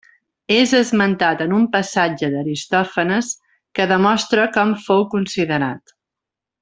És esmentat en un passatge d'Aristòfanes que demostra com fou considerat.